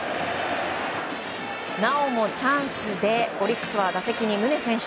なおもチャンスでオリックスは打席に宗選手。